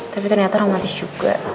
tapi ternyata romantis juga